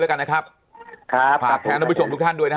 เอาละครับขอบคุณนะครับผู้ใหญ่วิวาร์ยังไงผมฝากด้วยแล้ว